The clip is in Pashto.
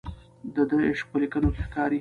د ده عشق په لیکنو کې ښکاري.